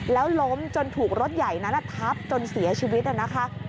แล้วล้มจนถูกรถใหญ่นั้นทับจนเสียชีวิตนะคะ